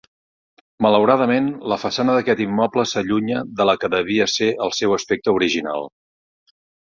Malauradament, la façana d'aquest immoble s'allunya de la que devia ser el seu aspecte original.